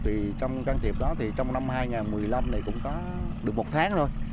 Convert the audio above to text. thì trong can thiệp đó thì trong năm hai nghìn một mươi năm này cũng có được một tháng thôi